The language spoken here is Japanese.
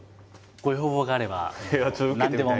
ご要望があれば何でも。